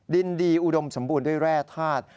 ดินดีอุดมสมบูรณ์ด้วยแร่ธาตุ